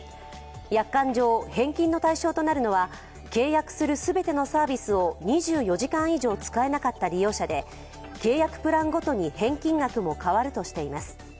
約款上、返金の対象となるのは契約する全てのサービスを２４時間以上使えなかった利用者で、契約プランごとに返金額も変わるとしています。